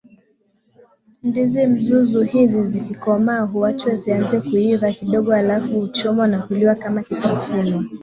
ndizi mzuzu Hizi zikikomaa huachwa zianze kuiva kidogo halafu huchomwa na kuliwa kama kitafunwa